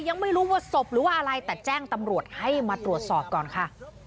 ยังไม่รู้ว่าศพหรือว่าอะไรแต่แจ้งตำรวจให้มาตรวจสอบก่อนค่ะ